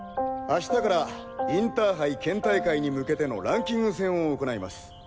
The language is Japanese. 明日からインターハイ県大会に向けてのランキング戦を行います。